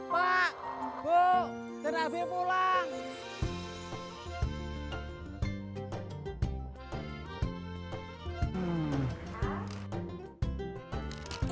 pak bu dan abi pulang